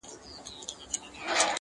بې منزله مسافر یم، پر کاروان غزل لیکمه،